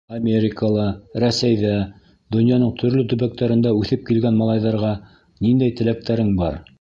— Америкала, Рәсәйҙә, донъяның төрлө төбәктәрендә үҫеп килгән малайҙарға ниндәй теләктәрең бар?